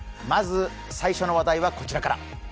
まず最初の話題はこちらから。